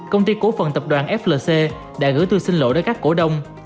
công ty cổ phần tập đoàn flc đã gửi thư xin lỗi đến các cổ đông